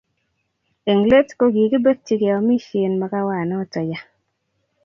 eng let, ko kikibekchi keomisien makawanoto ya